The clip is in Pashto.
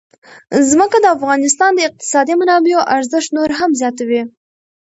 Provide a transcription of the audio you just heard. ځمکه د افغانستان د اقتصادي منابعو ارزښت نور هم زیاتوي.